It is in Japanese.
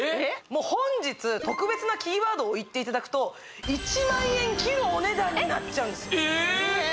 本日特別なキーワードを言っていただくと１万円切るお値段になっちゃうんですえっ